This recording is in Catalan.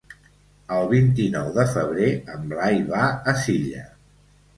El vint-i-nou de febrer en Blai va a Silla.